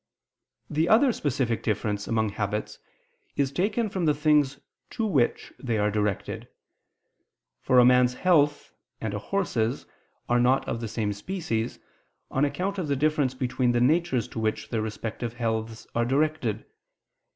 The other specific difference among habits is taken from the things to which they are directed: for a man's health and a horse's are not of the same species, on account of the difference between the natures to which their respective healths are directed.